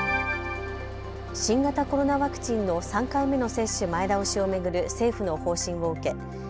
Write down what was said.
新型コロナワクチンの３回目の接種前倒しを巡る政府の方針を受け